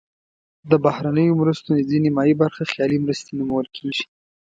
د بهرنیو مرستو نزدې نیمایي برخه خیالي مرستې نومول کیږي.